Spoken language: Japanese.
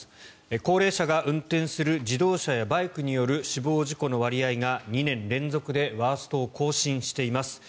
高齢者が運転する自動車やバイクによる死亡事故の割合が、２年連続でワーストを更新しています。